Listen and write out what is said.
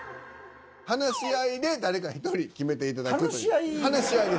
話し合いで誰か１人決めていただくという。話し合い？